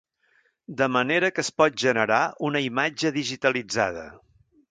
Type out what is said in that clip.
De manera que es pot generar una imatge digitalitzada.